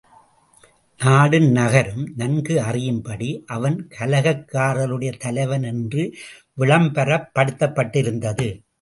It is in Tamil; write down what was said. நாடும், நகரும் நன்கு அறியும்படி அவன் கலகக்காரருடைய தலைவன் என்று விளம்பரப்படுத்தப்பட்டிருந்தது.